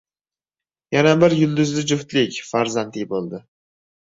Yana bir yulduzli juftlik farzandli bo‘ldi